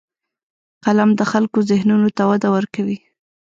قلم د خلکو ذهنونو ته وده ورکوي